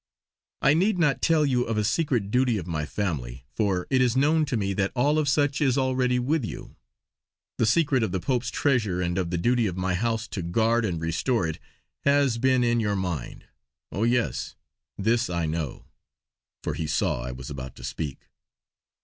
I need not tell you of a secret duty of my family, for it is known to me that all of such is already with you. The secret of the Pope's treasure and of the duty of my House to guard and restore it has been in your mind. Oh yes, this I know" for he saw I was about to speak.